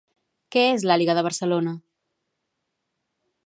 Què és l'Àliga de Barcelona?